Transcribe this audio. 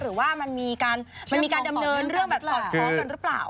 หรือว่ามันมีการดำเนินเรื่องแบบสอดคล้องกันหรือเปล่า